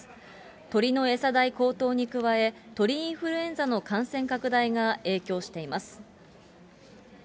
鶏の餌代高騰に加え、鳥インフルエンザの感染拡大が影響しています。